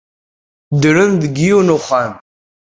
Ddren deg yiwen n uxxam.